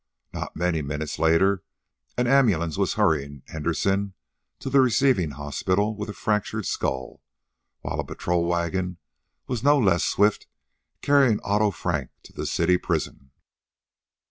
Not many minutes later an ambulance was hurrying Henderson to the receiving hospital with a fractured skull, while a patrol wagon was no less swiftly carrying Otto Frank to the city prison.